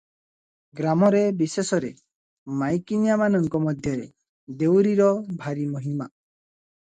ଗ୍ରାମରେ ବିଶେଷରେ ମାଇକିନିଆମାନଙ୍କ ମଧ୍ୟରେ ଦେଉରୀର ଭାରି ମହିମା ।